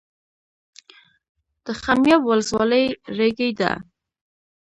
د خمیاب ولسوالۍ ریګي ده